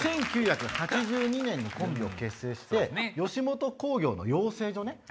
１９８２年にコンビを結成して吉本興業の養成所ね。